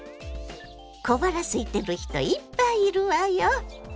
小腹すいてる人いっぱいいるわよ。